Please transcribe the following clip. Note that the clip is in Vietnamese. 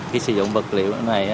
khi sử dụng vật liệu như thế này